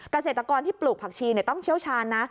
เกษตรกรที่ปลูกผักชีต้องเชี่ยวชาญนะ